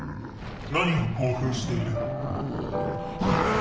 何を興奮していぼおぉ！